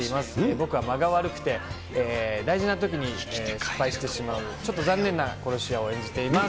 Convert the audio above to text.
僕は間が悪くて、大事なときに失敗してしまう、ちょっと残念な殺し屋を演じています。